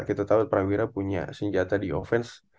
kita tahu prawira punya senjata di offense